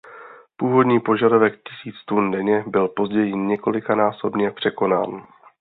Původní požadavek tisíc tun denně byl později několikanásobně překonán.